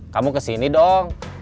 kamu kesini dong